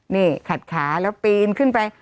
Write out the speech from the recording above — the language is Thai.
นี่ขัดขาแล้วปีนขึ้นไป